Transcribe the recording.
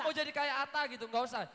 mau jadi kayak atta gitu gak usah